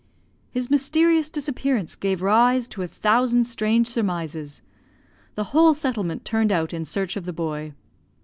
"His mysterious disappearance gave rise to a thousand strange surmises. The whole settlement turned out in search of the boy.